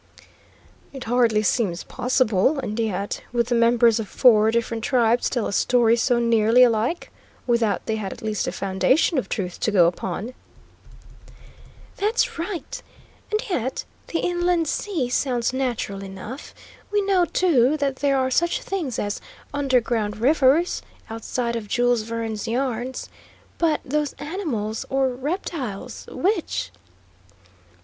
"It hardly seems possible, and yet would the members of four different tribes tell a story so nearly alike, without they had at least a foundation of truth to go upon?" "That's right. And yet the inland sea sounds natural enough. We know, too, that there are such things as underground rivers, outside of Jules Verne's yarns. But those animals, or reptiles, which?"